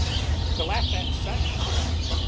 To laugh at such is MR.